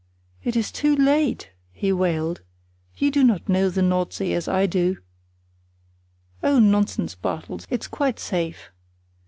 "It is too late," he wailed. "You do not know the Nord See as I do." "Oh, nonsense, Bartels, it's quite safe."